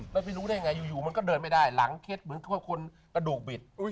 แล้วพี่รู้ได้ไงอยู่มันก็เดินไม่ได้หลังเคล็ดเหมือนช่วยคนกระดูกบิด